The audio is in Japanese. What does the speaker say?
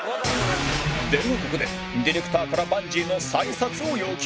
ではここでディレクターからバンジーの再撮を要求